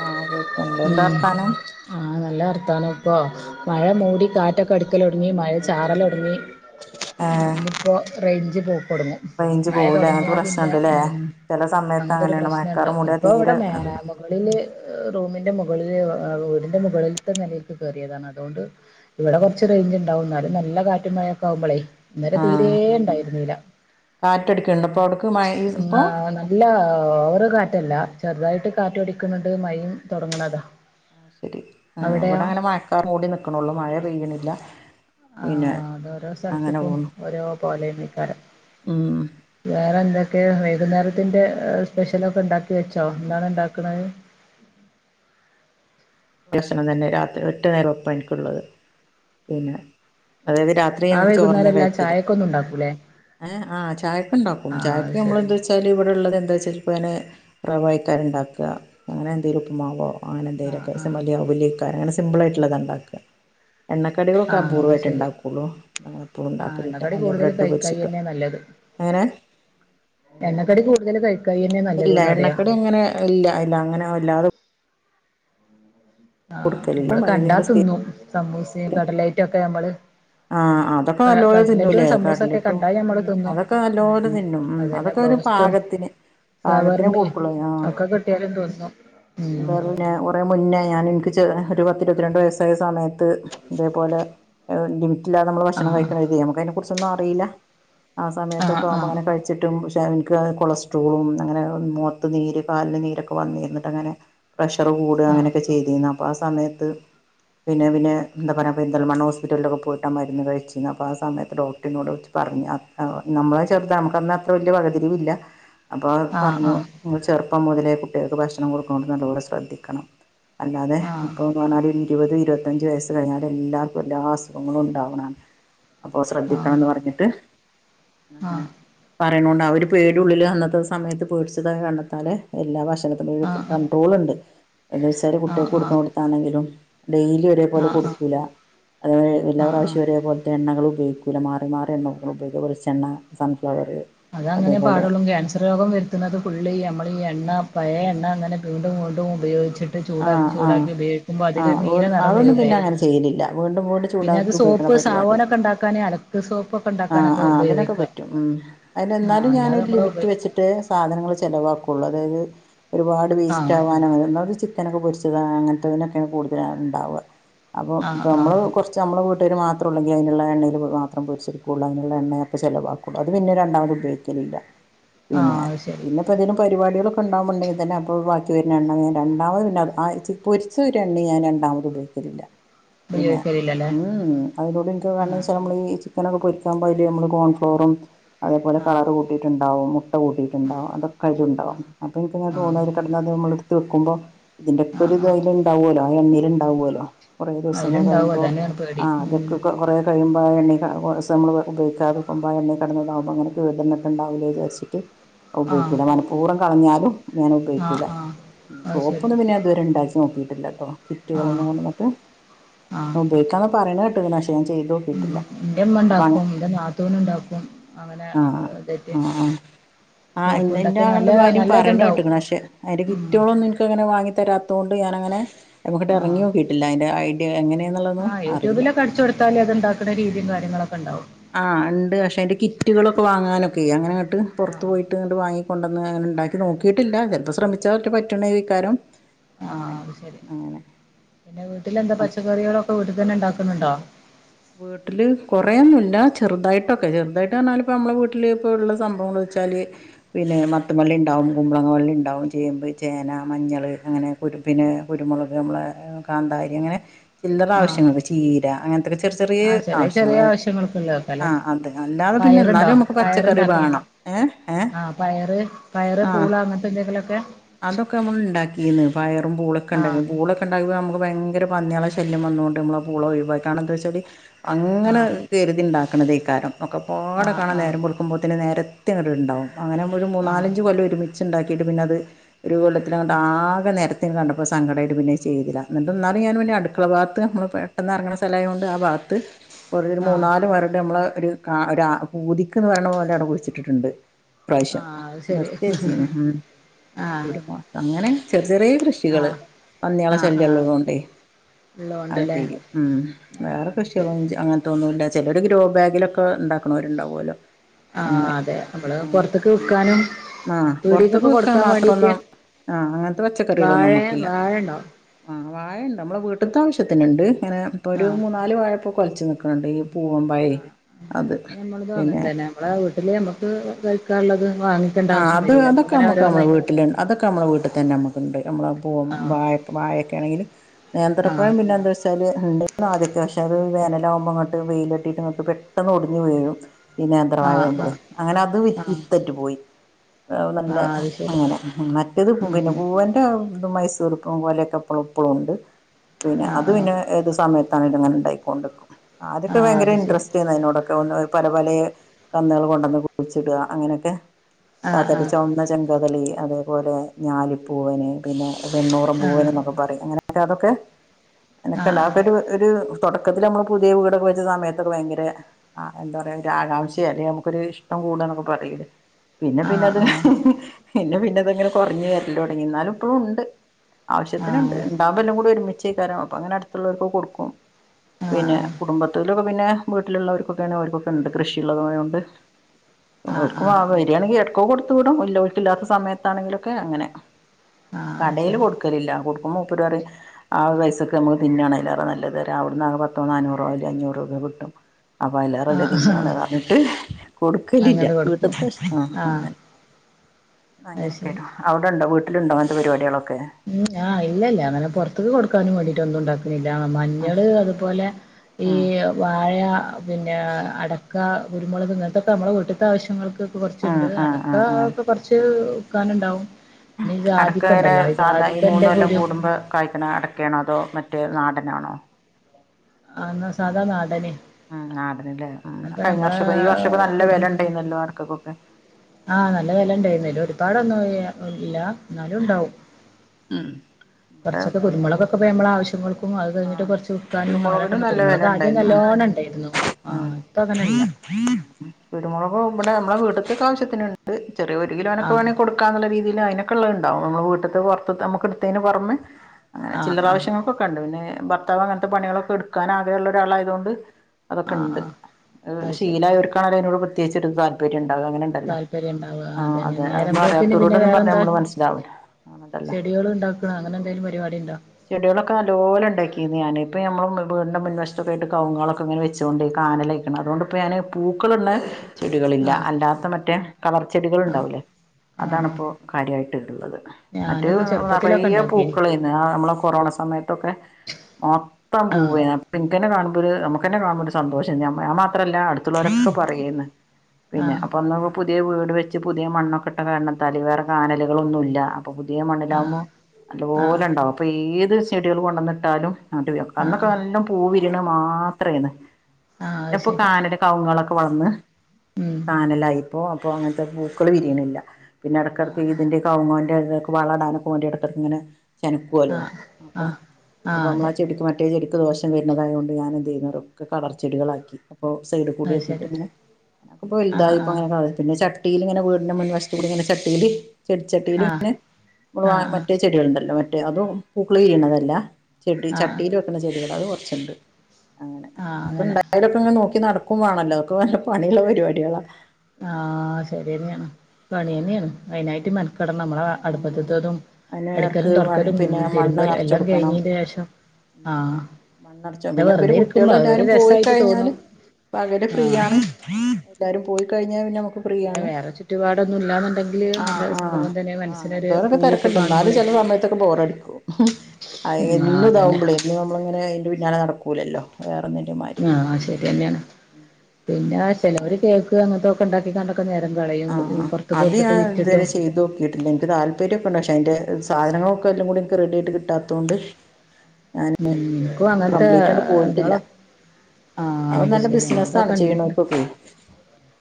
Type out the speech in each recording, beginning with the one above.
ആഹ് കേക്ക്ണ്ട് എന്താ വർത്താനം ആ നല്ല വർത്താനം ഇപ്പൊ മഴ മൂടി കാറ്റക്കടിക്കലൊടങ്ങി മഴ ചാറലൊടങ്ങി. ആഹ് നിപ്പോ റേഞ്ച് പോക്കൊടുങ്ങും. മഴ പോവൂലേ അത് തുടങ്ങിയാ പിന്നെ പ്രശ്നണ്ട്ല്ലേ ഉം ചെല സമയത്ത് അങ്ങനത്തെരു അങ്ങനെയാണ് പ്രശ്നംണ്ട് മഴക്കാറ് മൂടിയാ ഇപ്പൊ ഇവിടെ തീരെ അത് മുകളില് റൂമിന്റെ മുകളിൽ വീടിന്റെ മുകളിൽത്തെ നിലേക്ക് കയറിയതാണ്. അതുകൊണ്ട് ഇവിടെ കുറച്ച് റേഞ്ച് ണ്ടാവും. ന്നാലും നല്ല കാറ്റു മഴ ഒക്കെ ആവുമ്പോളേ ഇന്നലേ തീരെ ആഹ് ഇണ്ടായിരുന്നില്ല. കാറ്റടിക്ക്ണ്ടോ ഇപ്പൊ അവ്ട്ക്ക് മഴ ഈ ഇപ്പൊ ഇല്ല ഓരോ കാറ്റല്ല ചെറുതായിട്ട് കാറ്റ്ടിക്കുന്നുണ്ട് മഴയും തുടങ്ങണതാ ആ ശരി ഇവിടെ അങ്ങനെ മഴക്കാർ മൂടി നിക്കണള്ളൂ മഴ പെയ്യണില്ല. ആ അതോരോ സ്ഥലത്തക്കും ഓരോ പോലെയക്കാരം. ഉം വേറെ എന്തൊക്കെയ വൈകുന്നേരത്തിന്റെ സ്പെഷ്യലൊക്കെ ഉണ്ടാക്കി വെച്ചോ എന്താണ് ഉണ്ടാക്കണ? പ്രസനം തന്നെ രാത്രി ഒറ്റ നേരം ഒപ്പ എനിക്കുള്ളത് പിന്നെ അതായത് രാത്രി ആ ഞങ്ങക്ക് വൈകുന്നേര എല്ലാം ചായക്കൊന്നും ഉണ്ടാക്കൂല്ലേ ഏ ആ ചായക്കണ്ടാക്കും ചായക്ക് ശരി നമ്മളെന്താചാ ഇവിടെ ഉള്ളത് എന്താചാ ചെലപ്പോ ഞാന് റവായക്കാരം ണ്ടാക്കുക അങ്ങനെ എന്തേലും ഉപ്പമാവോ അങ്ങന ആഹ് എന്തെങ്കിലൊക്കെ ആഹ് സിമലി അവിൽ അങ്ങനെ സിമ്പിളയിട്ടുള്ളത ഉണ്ടാക്കുക. എണ്ണക്കടികളൊക്കെ ആഹ് അത് അപൂർവ്വമായിട്ട് ശരി ഉണ്ടാക്കുള്ളു, അങ്ങന എപ്പോഴും ആഹ് ഉണ്ടാക്കില്ല അല്ലെങ്കി ബ്രഡ് പൊരി എണ്ണക്കടി കൂടുതൽ കഴിക്കായി ന്നെ നല്ലത് ഇല്ല ന്ന് പറയാ എണ്ണക്കടി അങ്ങനെ ഇല്ലല്ല അങ്ങനെ വല്ലാ ആഹ് നമ്മള് കണ്ടാ കൊടുക്കലില്ല തിന്നു. സമൂസയും കടലൈറ്റ ഒക്കെ നമ്മള് ആഹ അതൊക്കെ നല്ലോല തിന്നുംല്ലേ, കടലറ്റും സമൂസൊക്കെ കടലട്ടും കണ്ടാ ഞമ്മള് ഉ തിന്നും അതൊക്കെ നല്ലോല ഉം തിന്നും ഉ അതൊക്കെ ഒരു പാകത്തിന് പാകത്തിനെ ശവർമ്മ കൊടുക്കുള്ളൂ ഒക്കെ കിട്ടിയാലും തിന്നും. എന്താ ഉം പറ കുറെ മുന്നേ ഞൻ എനിക്ക് ഒരു പത്തിരുപത്തിരണ്ട് വയസ്സായ സമയ ത്ത് ഇതേപോലെ ലിമിറ്റില്ലാതെ നമ്മള് ഭക്ഷണം ആഹ് കഴിക്കണേ നമുക്ക് അതിനെ കുറിച്ചൊന്നും അറില. ആ ആഹ് സമയത്തൊക്കാവുമ്പോ ആകുമ്പോ ആഹ് ഇങ്ങനെ കഴി ച്ചിട്ടും പക്ഷേ അതെനിക്ക് കൊളസ്ട്രോളും, അങ്ങനെ മോത്ത് നീര്, കാൽന് നീരൊക്കെ വന്ന് കഴിഞ്ഞിട്ട് അങ്ങനെ. പ്രഷർ കൂടുക അങ്ങനെക്കെ ചെയ്തീന്ന്. അപ്പോ.. ആ സമയത്ത്. പിന്നെ പിന്നെ എന്താ പറയാ പെരിന്തൽമണ്ണ ഹോസ്പിറ്റലിലക്കെ പോയിട്ടാണ് മരുന്ന് കഴിച്ചിന്ന് അപ്പോം ആ സമയത്ത് ഡോക്ടറിന്നോട് ചോ പറഞ്ഞ നമ്മളെ ചെറുത നമുക്ക് അത്ര വലിയ വകതിരിവ ഇല്ല. അപ്പോ ആഹ് പറഞ്ഞു. ആഹ് ങ്ങൾ ചെറുപ്പം മുതലേ കുട്ടികൾക്ക് ഭക്ഷണം കൊടുക്കുനോട്ത നല്ലപോലെ ശ്രദ്ധിക്കണം. അല്ലാതെ ആഹ് ഇപ്പോൾ എന്ന് പറഞ്ഞാൽ ഇരുപത് ഇരുപത്തഞ്ച് വയസ്സ് കഴിഞ്ഞാൽ എല്ലാവർക്കും എല്ലാ അസുഖങ്ങളും ഉണ്ടാവണാണ്. അപ്പൊ ആഹ് ആഹ് ആഹ് ശ്രദ്ധിക്കണംന്ന് പറഞ്ഞിട്ട് അങ്ങനെ ആഹ് പറയണണ്ട് അ ഒരു പേടി ഉള്ളില് അന്നത്തെ സമയത്ത് പേടിച്ചത കാരണത്താല് എല്ലാ ഭക്ഷണത്തിനും ആഹ് ആഹ് കണ്ടട്രോൾ ഇ എന്ന് വെച്ചാലും കുട്ടികൾക്ക് ആഹ് കൊടുക്കുണോട്ത്താണെങ്കിലും ഡെയിലി ഒരേ ആഹ് പോലെ ആഹ് കൊടുക്കല. അതെപലെ എല്ലാ ആഹ് പ്രാവശ്യം ഒരേപോൽത്തെ എണ്ണകൾ ഉപയോഗിക്കൂല മാറി മാറി എണ്ണകൾ പയോഗിക്കാ വെളിച്ചെണ്ണ സൺഫ്ലവറ്. അതങ്ങനെ പാടെള്ളു കൃൻസ് രോഗം വരുത്ത്ണത് ഫുള്ള് ഈ നമ്മൾ ഈ എണ്ണ പഴയെ എണ്ണ അങ്ങനെ വീണ്ടും വീണ്ടും ഉപയോഗിച്ചി ചൂടാക്കി, ആഹ് ആഹ് ചൂടാക്കി, ഉപയോഗിക്കുമ്പോ. അതിലൊരു ആഹ് നീല നിറം അതൊന്നും വരൂലെ? പിന്നെ അങ്ങനെ ചെയ്യലില്ല വീണ്ടും വീണ്ടും പിന്നത് ചൂടാക്കി ഉപയോഗിക്കണ സോപ്പ് പരിപാടി സാവോനൊക്കെ ണ്ടാക്കാന് അലക്ക് സോപ്പെക് ആഹ് ആഹ് അതിനൊക്കെ പറ്റും. ഉം ല്ല ആഹ് എന്നാലും ഞാന് അല്ലാതെ ഒരു നമ്മള് ലിമിറ്റ് ഉപ വെച്ച് [unintelligible] സാധനങ്ങൾ ചിലവാക്കുള്ളൂ അതായത് ഒരുപാട് വേസ്റ്റ് ആഹ് ആവാൻ [unintelligible] തെനക്ക് പൊരിച്ചതാ അങ്ങൻത്തെതിനെക്കെണ് കൂടുതലാ ണ്ടാവ അപ്പൊ ആഹ് ആഹ് നമ്മള് കെർച്ച് ത് മ്മളെ വീട്ടെര് മാത്രള്ളെങ്കിൽ അതിനുള്ള എണ്ണെൽ മാത്രം പെരിച്ചിട് [unintelligible] ചിലവാക്കും അത് പിന്നെ രണ്ടാമത് ഉപയോഗിക്കലില്ല പിന്നെ, ആഹ് അത് ശരി പിന്നെ ഇപ്പോ ഏതേലും പരിപാടികളൊക്കെ ണ്ടാകുമ്പണ്ടെങ്കിൽ തന്നെ അപ്പോ ബാക്കി വരുന്ന എണ്ണ രണ്ടാമത് പിന്നെ ആഴ്ച്ചേ പൊരിച്ച ഒരെണ്ണേം ഞാൻ രണ്ടാമത് ഉപയോഗിക്കലില്ല പിന്നെ ഉപയോഗിക്കലില്ലല്ലേ ഉം. ഉം. അതിനോട് നിക്ക് കാരണ ആഹ് വെന്താന്ന് വെച്ചാ ഈ ചിക്കനൊക്കെ പൊരി ഇതാവുമ്പോ ഒരു നമ്മള് കോൺഫ്ളോറും അതേപോലെ ആഹ് കളർ കൂട്ടിട്ടുണ്ടാവും മുട് ട്ട കൂട്ടിട്ടുണ്ടകും. അതെക്കയിലു ണ്ടാവും. ആഹ് അപ്പോ എൻക്ക് ഇങ്ങനെ തോന്ന ആഹ് കിടന്നാ ത് നമ്മളെടുത്ത് വെക്കുമ്പേ. ഇതിന്റൊക്കെ ആഹ് ഒരുത് ആഹ് അതിലുണ്ടാവോലോ ആ എണ്ണേല് ഉണ്ടാവോല്ലോ കുറെ ദീസങ്ങൾ അതിലുണ്ടാവും കഴിയുമ്പേ അതന്നെയാണ് പേടി ആഹ് ഉം തൊക്കെ കുറെ കഴിയുമ്പോ. ആ എണ്ണെ കെറെ പ്പ മ്മൾ പയ്ചാതികുമ്പോ ആ എണ്ണെ കിടന്നതാവുമ്പോ അങ്ങനെ കേടെന്നിട്ടുണ്ടാവില്ലേ ന്നിജാരിച്ചിട്ട്. ആഹ് പയോഗിക്കൂല മനപ്പൂർവം കളഞ്ഞാലും ആഹ് ഞനുപയോഗിക്കൂല ആഹ് അത് ശരി സോപ്പെക്കെ പിന്നെ ഞാ ഇത് വരെ ഇണ്ടാക്കി നോക്കിയിട്ടില്ലട്ടോ ആഹ് കിറ്റുകളൊന്നും കൊണ്ടന്നിട്ട് ആഹ് ഉപയോഗിക്കാന്ന് പറയിന്ന കേട്ടേക്കിണ് പക്ഷെ ഞാ ചെയ്തോകീട്ടില്ല. ൻ്റെ മ്മ ണ്ടാക്കും ന്റെ നാത്തൂന് ണ്ടാക്കും അങ്ങനെ ആഹ് [unintelligible] ആഹ് ആഹ് ആഹ് സോപ്പ് ഉണ്ടാക്കി നല്ല ഇന്നന്റാങ്ങൾന്റെ ഭാര്യം നല്ല പറയിന്നേ ഇതുണ്ടാവും കേട്ടേക്കിണ് പക്ഷെ അയിന്റെ ഉം [unintelligible] ക്കങ്ങനെ വാങ്ങി തരാത്തേണ്ട് ഞാനങ്ങനെ അയ്മക്ക് ആഹ് ട്ടെർങ്ങിയോകീട്ടില്ല. അയിൻ്റെ ഐഡിയ എങ്ങനെന്നുള്ളൊന്നും. അറീല്ല. ത്താലും അത്ണ്ടാക്ക്ണ രീതിം കാരൃങ്ങളൊക്കെണ്ടാവും. ആഹ് ണ്ട് പഷെ അയിന്റെ കിറ്റുകളൊക്കെ വാങ്ങാനൊക്കെ അങ്ങനെ ഇങ്ങട്ട് പെർത്ത് ആഹ് പോയിട്ട് അത് വാങ്ങിക്കൊണ്ടെന്ന്.. ണ്ടാക്കി നോക്കീട്ടില്ല, ചെൽപ്പോ ശ്രമിച്ചാ [unintelligible] ആഹ് അങ്ങനെ അത് ശെരി അങ്ങനെ പിന്നെ, വീട്ടിലെന്താ? അപ്പൊ പച്ചക്കറികളൊക്കെ. വീട്ട് തന്നെ, ഇണ്ടാക്കുന്നുണ്ടോ? വീട്ടില് കെറെയൊന്നുല്ല ചെറുതായിട്ടൊക്കെ, ചെറുതായിട്ട് പറഞ്ഞാല് ഇപ്പോൾ നമ്മളെ വീട്ടില് ഇപ്പ ള്ള സംഭവം വെച്ചാല് പിന്നെ, മത്ത് വള്ളി ഇണ്ടാവും. കുമ്പ്ളങ്ങ വള്ളി ഇണ്ടാവും. ചേമ്പ്, ചേന, മഞ്ഞള്, അങ്ങനെ കുരുപ്പിന് കുരുമുളക് നമ്മളെ കാന്താരി അങ്ങനെ ചില്ലറ ആഹ് ആവശ്യങ്ങൾക്ക് ചീര അങ്ങനത്തൊക്കെ ചെറിയ ആഹ് ചെറിയ ചെറിയ ആവശ്യങ്ങള് ആവശ്യങ്ങൾക്ക് ള്ള തെക്കെല്ലെ ആഹ് അതെ അല്ലാതെ പിന്നെ പയറുണ്ടോ? എന്നാലും നമുക്ക് പച്ചക്കറി പയറുണ്ടാക്കലുണ്ടോ? വേണം ഏഹ് ഏഹ് ആഹ് പയറ്, പയറ്, ആഹ് പൂള, അങ്ങനത്തെ എന്തെങ്കിലൊക്കെ. അതൊക്കെ നമ്മള് ണ്ടാക്കീന്ന് പയറും പൂളക്കെണ്ടാകി ആഹ് പൂളക് ക്കെണ്ടാക്കുമ്പേൾ നമുക്ക് ഭയങ്കര പന്നൃളെ ശല്യം വന്നേണ്ട്. നമ്മളാ പുള ഒഴിവാ കാരണന്താച്ചാല് അങ്ങെനാ. ആഹ് തെരുതി ണ്ടാക്ക്ണെയ്കാരം ഒക്കപാടെ ആഹ് കാണാം ആഹ് നേരം വെളുക്കുമ്പേത്തിന് നെരത്തി ങ്ങണ്ട് ണ്ടാവും. അങ്ങെനാവുബേ ആഹ് മൂന്നാലഞ്ച് കൊല്ലം ഒരുമിച്ച് ണ്ടാക്കീട്ട് പിന്നത് ഒരു കൊല്ലത്തിനങ്ങണ്ട് ആകെ നേരപ ആദ്യം കണ്ടപ്പോ സങ്കടായിട്ട് പിന്നത് ചെയ്തീല. ന്നിട്ട് ന്നാലും അടുക്കള ഭാഗത്ത് നമ്മള് പെട്ടെന്ന് എർങ്ങ്ണ സ്ഥലായോണ്ട്. അപ്പോ ആ ഭാഗത്ത് കൊറേരു ആഹ് മൂന്നാല് മര്ഡ് നമ്മളെ ഒരു കാ ഒരു ആ പൂതിക്കന്ന് പറയണ പോലെ അവിടെ കുഴിച്ചിട്ടിട്ടുണ്ട് ഈ പ്രാവശ്യം ആഹ് അത് ശരി നിർത്തിച്ചീന് ഉം ആഹ് അങ്ങനെ ചെർ ചെറിയെ കൃഷികള്. ആഹ് പന്നികളെ ശലൃള്ളതോണ്ടെ. ഉള്ളതേണ്ടല്ലേ. ഉം വേറെ കൃഷിയെള് അങ്ങനത്തെ ഒന്നൂല്ലൃ ചെലേര് ഗ്രോ ബാഗിലൊക്കെ ഉണ്ടാക്കണോര് ഉണ്ടാവുമല്ലോ ആഹ് അതെ, നമ്മള് പൊറത്തൊക്കെ വിക്കാനും. ആഹ് പെർത്ത്ക്ക് വിക്കാൻ മാത്രം ഒന്നും. ആഹ് അങ്ങൻത്തെ വാഴ പച്ചക്കറികളൊന്നും നമുക്കില്ല. വാഴണ്ടോ ആഹ് വാഴണ്ട് നമ്മളെ വീട്ട്ത്തെ ആവശ്യത്തിനിണ്ട് ഇങ്ങനെ ഇപ്പൊരു ആഹ് മൂന്നാല് വാഴപ്പെ കൊലച്ച് നിക്ക്ണ് ണ്ട് പൂവം പഴെ, അത് പിന്നെ! നമ്മള വീട്ടില നമുക്ക് കഴിക്കാനുള്ളത് വാങ്ങിക്ക ആ അത് അതൊക്കെ നമ്മുക്ക് നമ്മള വീട്ടിൽ അതൊക്കെ നമ്മളെ വീട്ടിൽ തന്നെ നമ്മുക്കുണ്ട് നമ്മള പോ ആഹ് വായൊക്കെ ആണെങ്കിൽ ആഹ് നേന്ത്രപ്പഴം പിന്നെ എന്താ വെ പക്ഷെ അയില് ഉണ്ടായിരുന്ന ആദ്യത്തെ വർഷം. പക്ഷെ അത് വേനലാകുമ്പോ ഇങ്ങോട്ട് വെയില് തട്ടിട്ട് പെട്ടന്ന് ഒടിഞ്ഞുവീഴും ഈ ആഹ് നേന്ത്രവാഴയാവുമ്പോ ആഹ് അങ്ങനെ അത് ആഹ് വിതറ്റുപോയി ആഹ് നല്ല അത് ശരി അങ്ങനെ മറ്റത് പിന്നെ ഉം പൂവൻ ഇ മൈസൂറപ്പം പോലെയക്കെ എപ്പളും ഇപ്പളും ഉണ്ട് പിന്നെ ആഹ് അത് ആഹ് പിന്നെ ഏത് സമയത്തണെലും അങ്ങന ഉണ്ടായികൊണ്ട്ക്കും അതൊക്കെ ആഹ് ഭയങ്കര അത് ശരി ഇന്ററസ്റ്റ് അതിനോടക്ക അതോണ്ട് പല പല കന്നുകൾ കൊണ്ടൊന്ന് കുഴിച്ചിടുക അങ്ങനെയൊക്കെ ആഹ് കതളി ചുവന്ന ചെങ്കതളി അതേപോലെ ഞാലിപ്പു പൂവന് പിന്നെ വെണ്ണൂറും ആഹ് പൂവനന്നൊക്കെ പറയും അങ്ങനെയൊക്കെ അതൊക്കെ ആഹ് [unintelligible] ആഹ് അതൊരു ഒരു തുടക്കത്തിൽ നമ്മള് പുതിയ വീടൊക്കെ വെച്ച സമയത്തൊക്കെ ഭയങ്കര ആ എന്താ പറയാ ഒരു ആകാംക്ഷ എല്ലെങ്കി നമുക്ക ഒരു ഇഷ്ടം കൂടാന്നൊക്കെ പറയൂലെ പിന്നെ ആഹ് പിന്നെ അത് ആഹ് പിന്നെ പിന്നെ അതങ്ങനെ കുറഞ്ഞ് വരലൊടങ്ങി എന്നാലും ഇപ്പോ ഇണ്ട് ആഹ് ആഹ് ആഹ് ആവശ്യത്തിനിണ്ട് ആഹ് ഇണ്ടാവുമ്പോ എല്ലുംകൂടി ഒരുമിച്ച്ക്കാരം അപ്പൊ അങ്ങനെ അടുത്തുള്ളവർക്ക് കൊടുക്കും പിന്നെ കുടുംബ തുലൊക്കെ പിന്നെ വീട്ടിലുള്ളവർക്കൊക്കെയണ് അവർക്കൊക്കെ ഉണ്ട് കൃഷിയുള്ളതുകൊണ്ട് ആഹ് അവർക്കും ആഹ് ആവേ ഇവിടെ ആണെങ്കിൽ എക്കൊ കൊടുത്ത് വിടും മുല്ല ഒര്ക്കില്ലാത്ത സമയത്താണെങ്കിലൊക്കെ അങ്ങനെ ആഹ് കടയില് ശരി കൊടു ഇല്ല കൊടുക്കുമ്പൊ മൂപ്പര് പറയും ആ പൈസക്കെ നമുക്ക് തിന്നണതില്ലേറെ നല്ലത്‌ അവിടുന്ന് പത്തോ നാനൂറോ അല്ല അഞ്ഞൂറൊക്കെ കിട്ടു അപ്പോം അതിലേറെ നല്ലത് ആഹ് തിന്നെയാണ് പറഞ്ഞിട്ട് കൊടുക്കലില്ല അങ്ങട്ട് കൊടുക്കും വീട്ടത്തെ ശ് ആഹ് അങ്ങനെ അത് അങ്ങനൊക്കെ ശരി കേടോ അവിടെണ്ടോ വീട്ടിലുണ്ടോ അങ്ങനത്തെ പരിപാടികളൊക്കെ ഉം ആഹ് ഇല്ലല്ല അങ്ങനെ പുറത്തക്ക് കൊടുക്കാനും വേണ്ടീട്ട് ഒന്നുണ്ടാ യാണ് ഉം മഞ്ഞള് അതുപോലെ ഈ ഉം വാഴ പിന്നെ അടക്ക കുരുമുളക് ഇങ്ങനത്തൊക്കെ നമ്മുടെ വീട്ടിലത്തെ ആവശ്യങ്ങൾക്കൊക്കെ ഉം കുറച്ച്ണ്ട് ആഹ് ആഹ് ആഹ് അടക്ക പറിച്ച് വിക്കാനെണ്ടാവും പിന്ന ഈ ജാതിക്കെണ്ടല്ല താ ഈ മൂന്ന് കൊല്ലം കൂടുമ്പോ കായ്ക്കണ അടയ്ക്കയാണോ അതോ മറ്റേ നാടനാണോ ആന്ന് സാധാ നാടന് ഉം നടനല്ലേ അപ്പൊ കഴിഞ്ഞ വർഷ നമ്മളെ ഈ വർഷക്ക നല്ല കുടും വെല ഇണ്ടേണല്ലോ അടക്കക്കൊക്കെ ആഹ് നല്ല വില ഇണ്ടായിരുന്നില്ലേ ഒരുപാടൊന്നും [unintelligible] ഇല്ല എന്നാലും ഇണ്ടാവും ഉം ഇവിടെ കുറച്ചൊക്കെ കുരുമുളകൊക്കെപ്പെ ഞമ്മള ആവശ്യങ്ങൾക്ക് മ്മ് അത് കഴിഞ്ഞിട്ട് ആഹ് കുറച്ച് വിക്കാനു കുരുമുളകിനും അങ്ങനക്ക നല്ല വില കുരുമുളക് ആദ്യം ഉണ്ടായിരുന്നു നല്ലോണം ഉണ്ടായിരുന്നു ഉം ആഹ്‌ ഇപ്പൊ അങ്ങനെ അല്ല കുരുമുളക് ഇവിടെ നമ്മള വീട്ടുതക്ക ആവശ്യത്തിന് എടുത്ത് ചെറിയ ഒരു ആ കിലോനോക്കെ വേണമെങ്കി കൊടു ക്കാ എന്നുള്ള രീതിൽ അതിനൊക്കെ ഉള്ളത് ഉണ്ടാവു നമ്മൾ വീട്ടത്ത് പുറത്ത് നമുക്ക് എടുത്തതിന് പൊറമെ അങ്ങനെ ആ ചില്ലാ ആ ആവശ്യങ്ങ പ്പോ കണ്ടോന്നെ ഭർത്താവ് അങ്ങനത്തെ പണികളൊക്കെ എടുക്കാൻ ആകെയുള്ളെ ഒരാളായതുകൊണ്ട് അതൊക്കെ ആ ഇണ്ട് ആ അത് ശരി ശീലായവർക്കാണും അതിനോട് പ്രത്യേകിച്ച് ഒരു താല്പര്യണ്ടാക അങ്ങനെ അല്ല താല്പര്യം ഉണ്ടാവുക ആ അതന്നെ അതെ നേരം അതൊന്നു പോക്കിന് അറിയാത്തവരോട് പിന്നെ ഒന്നും വേറെന്താ നമ്മള് മനസ്സിലാവുല്ല ചെടികൾ ഉണ്ടാക്കാ അങ്ങനെ എന്തേലും പരിപാടി ഉണ്ടോ ചെടിയൊളൊക്കെ നല്ലോല ഇണ്ടായി ക്ക് ഞാൻ ഇപ്പ നമ്മള് വീടിന്റെ മുൻവശത്തക്കായിട്ട് കൗങ്ങളൊക്കെ ഇങ്ങനെ വച്ചുകൊണ്ട് കാനലക്കണ് അതുകൊണ്ട് ഇപ്പ ഞാന്. പൂക്കളുള്ള ചെടികളില്ല ആ അല്ലാത്ത മറ്റേ ആ കളർച്ചെടികളിണ്ടാവൂലേ ആ അതാണപ്പോ കാര്യായിട്ട്ള്ളത് ഞാനിപ്പോ മറ്റേത്‌ ചെറുപ്പത്തിലൊക്കെ നിറയെ ഉണ്ടാക്കീന് പൂക്കളേന്ന് ആ നമ്മള കൊറോണ സമയത്തൊക്കെ ഒത്തം ആ പോവേനി എനിക്ക് തന്നെ കാണുമ്പോ ഒരു നമുക്ക് തന്നെ കാണുമ്പോ ഒരു സന്തോഷം ഞാൻ മാത്രല്ല അ തുല്ലൊരൊക്കെ പറയന്ന്. ആ പിന്നെ അപ്പൊ അന്ന് പുതിയ വീട് വെച്ച് പുതിയ മണ്ണൊക്കെ ഇട്ട കാരണത്താല് വേറെ കാനലുകളൊന്നുല്ല പ്പൊ പുതിയ ആ മണ്ണിലാകുമ്പോ ആ നല്ലപോലെണ്ടാവും. പ്പൊ ഏത് ചെട്യേൾ കൊണ്ടന്ന്ട്ടാലും [unintelligible] ആ ആ അന്നൊക്കെ നല്ലോം പൂവിരിയ്ണേ മാത്രേന്ന് ആ അത് പിന്നെപ്പൊ ശരി കാനൽ, കവുങ്ങേളൊക്കെ വളർന്ന് ഉം കാനലായി പ്പോ അപ്പോ അങ്ങൻത്തെ പൂക്കള് വിരിയ്ണില്ല. പിന്നെ ആ എടക്കെടക്ക് ഇതിന്റെ കവുങ്ങോന്റെ ഇത് വളടാനൊക്കെ വാണ്ടി എടക്കെടക്ക്ങ്ങനെ ചെനക്കുവല്ലോ, ആ അപ്പൊ ആ ആ അപ്പൊ അമ്മളാ അതെ ക്ക് മറ്റേ ചെടിക്ക് ദോഷം വര്നതായോണ്ട് ഞാനതെയ്ന്നതൊക്കെ കളർച്ചെടികളാക്കി. ഇപ്പോ സൈഡ് അത് ശരി കൂട്യാക്കിട്ട്ങ്ങനെ അപ്പോ ആഹ് ആഹ് വെല്തായപ്പോങ്ങനെ കളർ പിന്നെ ചട്ടി ട്ടീൽ ഇങ്ങനെ വീട്ൻ്റെ മുൻവശത്തൂടിങ്ങനെ ചട്ടീല് ചെടിച്ചട്ടിയില് ആഹ് ഇങ്ങനേ മ്മള് ആഹ് ആഹ് മറ്റേ ചെട്യേള്ണ്ടല്ലോ മറ്റേ അതും പൂക്കള് വിരീണതല്ല ചെടി ആഹ് ചട്ടിൽ വെക്കണ ചെടികൾ അയ് കൊറച്ച്ണ്ട്. അങ്ങനെ ആഹ് അങ്ങനെ അപ്പൊന്തായാലുപ്പങ്ങ നോക്കി നടക്കുംവാണല്ലോ അയ്ക്കെ വേറേ പണിള്ള പരിപാട്യേളാ. ആഹ് ശെരിതന്നേണ് പണിന്ന്യാണ് അയിനായിട്ട് മെനക്കെടണം മ്മളെ ഉം ഉം അടുപ്പത്ത്ത്തതും അതിന് ഇടക്ക് അടിക്കലും തൊടക്കലും പിന്നെ മണ്ണ് തിരുമ്പലും നിറച്ച് എല്ലാം കൊടുക്കണം കഴിഞ്ഞീന്റേ ശേഷം ഉം ആഹ് മണ്ണടച്ചോ ക്ഷെ പിന്നെ ഇവര് വെറുതെ കുട്ടികൾ ഇരിക്കുമ്പോ അത് ഒര് എല്ലാരും പോയി രസായിട്ട് കഴിഞ്ഞാല് തോന്നും. പകല് ആഹ് ഫ്രീയാണ്, എല്ലാരും പോയി കഴിഞ്ഞാൽ പിന്നെ അമുക്ക് പിന്നെ വേറെ ചുറ്റുപാടൊന്നും ഇല്ലാന്ന്ണ്ടെങ്കില് ആഹ് നല്ല ആഹ് സംഭവം തന്നെ ആഹ് മനസ്സിനൊരു അങ്ങനത്തോരൊക്കെ പൂവൊക്കെ തെരക്ക്ണ്ട് ന്നാലും കാണുമ്പളേ ചെല സമയത്തൊക്കെ ബോറടിക്കും. ഉം ആഹ് അതന്നെ എന്നുതാവുമ്പളേ നമ്മളിങ്ങനെ അയിന്റെ പിന്നാലെ നടക്കൂലല്ലോ വേറെന്തേലും മാ ആഹ് ശെരിന്ന്യാണ്. പിന്നെ ചെലോർ അങ്ങനെ കേക്ക് അങ്ങനത്തൊക്കെണ്ടാക്കിക്കാണ്ടൊക്കെ നേരം കളയ് ആഹ് ആഹ് അത് ഞാനിത് വരെ ചെയ്തോക്കിട്ടില്ല എൻക്ക് താല് [unintelligible] ക്ഷെ അയിന്റെ സാധനങ്ങളൊക്കെല്ലും കൂടി എൻക്ക് റെഡിയായിട്ട് കിട്ടാത്തോണ്ട് ഞാൻ ഉം ഇൻക്കൂ അങ്ങൻ ത്തേ കംപ്ലീറ്റ് ആയിട്ട് പോയിട്ടില്ല ഇതേളോ ആഹ് അത് നല്ല ശെരിയാണ് ബിസിനസ്സാണ് ഇതേക്കെന്ന് ചെയ്യണോർക്കൊക്കെ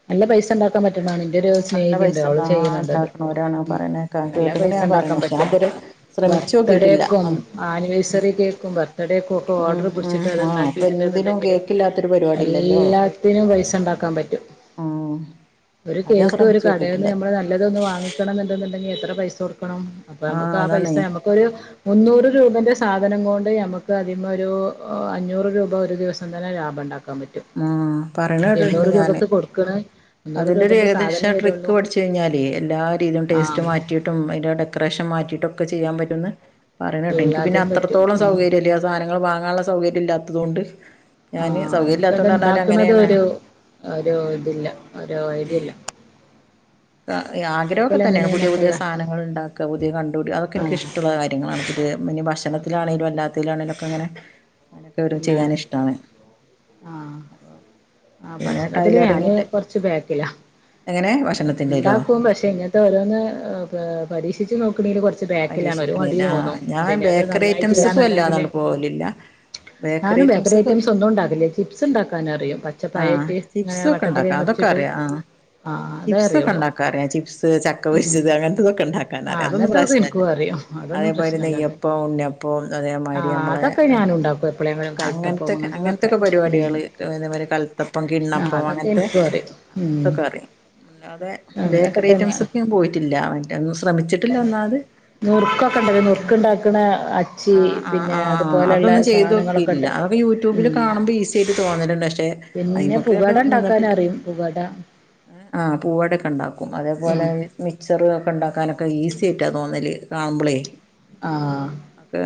നല്ല പൈസണ്ടാക്ക ക്കാൻ പറ്റ്ണാണ് ന്റൊരു ആഹ് നല്ല സ്നേഹിതിണ്ട് പൈസ അവള് ഉണ്ടാ ചെയ്യ്ന്നിണ്ടത് ഉണ്ടാക്കണോരാണ് ഉം പറയണേക്കാ എല്ല കേട്ട്ക്ക്ണ് ഞാൻ പൈസണ്ടാക്കാൻ പറയണേ പക്ഷെ ഞാൻ പറ്റും. ഇതുവരെ ശ്രമിച്ചു ബർത്ത്ഡേക്കും നോക്കിയിട്ടില്ല ആനിവേഴ്സറി കേ ബർത്ത്ഡേക്കൊക്കെ ഉം ഓർഡർ ഉം പിടിച്ചിട്ട്. ആഹ് അപ്പൊ എന്തിനും അത്ണ്ടാക്കിട്ടീണ്ട്ന്ന്ണ്ടെങ്കില് കേക്കില്ലാത്തൊരു പരിപാടി ഇല്ലല്ലോ എല്ലാത്തിനും പൈസണ്ടാക്കാൻ പറ്റും. ആഹ് ഒരു കേക്ക് ഒരു കടേന്ന് ഞമ്മള് നല്ലതൊന്ന് വാങ്ങിക്കണന്ന് ണ്ടെങ്കി എത്ര പൈസാെടുക്കണം അപ്പൊ ആഹ് ഞമ്മക്ക് ആ അതാണേ പൈസ ഞമ്മക്കൊരു മുന്നൂറ് രൂപന്റെ സാധനം കൊ ഞമ്മക്ക് അധിമൊരു അഞ്ഞൂറ് രൂപ ഒരു ദിവസം തന്നെ ലാഭണ്ടാക്കാൻ പ ആ പറയ്ണേട്ട്ണ്ട് ഞാന് കൊടുക്കണ മുന്നൂറ് അതിന്റെ ഒരു രൂപന്റെ സാധനം ഏകദേശം ട്രിക്ക് വരുള്ളൂ പഠിച്ച വച്ച് കഴിഞ്ഞാേലേ എല്ലാ രീതീലും ടേസ്റ്റ് ആഹ് മാറ്റിട്ടും അയിൻ്റെ ഡെക്കറേഷൻ മാറ്റിയിട്ടൊക്കെ ചെയ്യാൻ പറ്റുന്ന് പറയ്ണേട്ട് ഇർക്ക് പിന്നെ എല്ലാത്തിനും പറ്റും അത്രോളം ഉം സൗകര്യല്ല്യാ സാനങ്ങൾ വാങ്ങാള്ള സൗകര്യല്ലാത്തതോണ്ട് ഞാന് സൗകര്യല്ലാ അത് ഇണ്ടാക്കണതൊരു ഒരു ഇതില്ല. ഒരു ഐഡ്യല്ല. ആഹ് ആഗ്രഹൊക്കെ തെന്ന്യേണ് പുതിയേ പുതിയേ സാനങ്ങൾണ്ടാക്കാ പുതിയ കണ്ടുപിടി അതൊക്കെ ആഹ് ഇൻക്കിഷ്ടള്ള [unintelligible] ഭക്ഷണത്തിലാണെങ്കിലും അല്ലാത്തിലാണേലൊക്കെങ്ങനെ അങ്ങനൊക്കെ ഒരോ പിന്നെ ചെയ്യാനിഷ്ടാണ് അപ്പോ ആഹ ഭക്ഷണത്തില് ഞാന് കൊറച്ച് ബേക്കിലാ എങ്ങനെ ഭക്ഷണത്തിൻ്റെയിലോ ണ്ടാക്കും പക്ഷെ ഇങ്ങനത്തെ ഓരോന്ന് ആ പരീക്ഷിച്ച്ച് നോക്ക്ണേൽ കൊറ ബാക്കിലാണ് ഒരു മടി പരീക്ഷിക്കണില്ല ആ തോന്നും. പിന്നെ അത് നന്നായിട്ടില്ലന്നുണ്ടെങ്കില് പോലില്ല. ഞാനും ബേക്കറി ഐറ്റംസ് ഒന്നും ഉണ്ടാക്കില്ല. ചിപ്സ് ഉണ്ടാക്കാൻ അറിയും പച്ചപ്പയറ്റ് ഇങ്ങനെ വട്ടത്തില നിർ ക്കറയാ ആഹ് ചിപ്സൊക്കെണ്ടാക്കാറിയാം ചിപ്സ്, ഉം ചക്കപൊരിച്ചത് ആ അങ്ങനത്തെതൊക്കെണ്ടാക്കാനറിയാ അതൊന്നും അങ്ങനത്തൊക്കെ പ്രശന എനിക്കും അറിയും അതൊന്നും അതേപോലെ പ്രശ്നല്ല അത് നെയ്യപ്പോം ഉണ്ണിയപ്പോം ആ അതേമാതിരി ഞമ്മളെ അതൊക്കെ ആ ഞാനും ഉണ്ടാക്കും എപ്പോഴെങ്കിലും കലത്തപ്പം അങ്ങനത്തെക്കെ അങ്ങനത്തതൊക്കെ അങ്ങനത്തൊക്കെ ഉം പരിപാടികള് ഇതേമാരി കൽത്തപ്പം ആ കിണ്ണപ്പം അതൊക്കെ അങ്ങൻത്തെ എനിക്കും അറിയും ഉം അങ്ങൻത്തൊക്കറിയും. അതെ അങ്ങനൊക്കെ ബേക്കറി തന്നെയാണ് ഐറ്റംസ്ക്ക് ഞാൻ പോയിട്ടില്ല അവറ്റ ഒന്നും ശ്രമിച്ചിട്ടില്ല ഒന്നാമത്. നുറുക്കൊക്കെണ്ടല്ലോ നുറുക്ക്ണ്ടാക്കണ അച്ച് പിന്നെ അതുപോലെള്ള ചെയ്തോക്കീട്ടില്ല അത്ഒക്കെ യൂട്യൂബില് കാണുമ്പോ ഈസി ആയിട്ട് തോന്നല്ണ്ട് ക്ഷെ പിന്നെ അയിമക്കങ്ങട്ട് പുകട നിന്ന്ട്ട്ല്ല ഉണ്ടാക്കാനറിയും പുകട ആഹ് പൂവട്യൊക്കെ ഇണ്ടാക്കും അതേപോലെ ഉം മിച്ചറ് അഒക്കെ ഉണ്ടാക്കാനൊക്കെ ഈസി ആയിട്ടാ തോന്നല് കാണുമ്പളേ. ആഹ് ഒക്കെ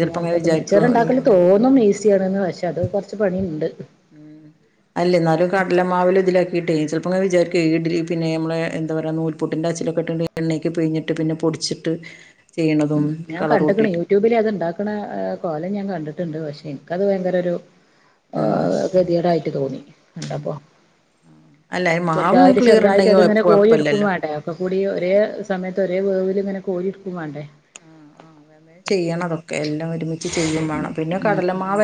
ചിലപ്പോ അങ്ങനെ ഇങ്ങൻത്തൊക്കെ. മിച്ചർ വിചാരിക്കും ഈ ഉണ്ടാക്കല് തോന്നും ഈസിയാണ്ന്ന് പശേ അതും കൊർച്ച് പണിണ്ട്. ഉം അല്ല ഇന്നാലും കടല മാവിലും ഇതിലു ആക്കിട്ടേ ചെൽപ്പങ്ങനെ വിചാരിക്ക്വേ ഇഡിലി പിന്നേ നമ്മളെ എന്ത പറയാ നൂ പ്പുട്ടിൻ്റെ അച്ചിലൊക്കെ ഇട്ട് ണ്ട് എണ്ണേക്ക് പിഴിഞ്ഞിട്ട് പിന്നെ പൊടിച്ചിട്ട് ചെയ്യ്ണതും കളർ കൂട്ടിയിട്ട് ട്യൂബിൽ അതുണ്ടാക്ണ ഏഹ് കോലം ഞാൻ കണ്ടിട്ട്ണ്ട്. പക്ഷേ ഇൻക്കത് ഭയങ്കര ഒരു ഉം ഏഹ് കെത്യേടായിട്ട് തോന്നി കണ്ടപ്പൊ. അല്ല ഈ മാവ് ചെറുതായിട്ട് ക്ലിയർ ചെറുതായിട്ട് ഉണ്ടെങ്കി അത്ങ്ങനെ കോഴി ഇട്ക്കും കുഴപ്പല്ലല്ലോ വാണ്ടെ. ഒക്ക കൂടി ഒരേ എങ്ങനെ സമയത്ത് ഒരേ വേവ് ല് ഇങ്ങനെ കോരി ഇട്ക്കും വാണ്ടേ. ചെയ്യണ അതൊക്കെ. എല്ലം ഒരുമിച്ച് ചെയ്യും വാണം. പിന്നെ ഉം കടലമാവ